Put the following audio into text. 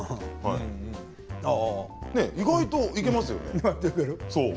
意外にいけますよね。